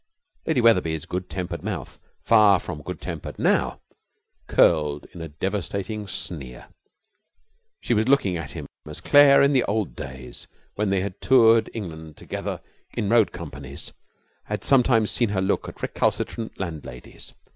Lady Wetherby's good tempered mouth, far from good tempered now, curled in a devastating sneer. She was looking at him as Claire, in the old days when they had toured England together in road companies, had sometimes seen her look at recalcitrant landladies.